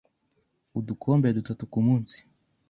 Udukombe dutatu ku munsi